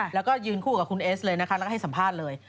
แล้วก็ยืนคู่กับคุณเอสเลยนะคะแล้วก็ให้สัมภาษณ์เลย